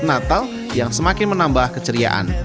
selain itu ada juga drama yang menambah keceriaan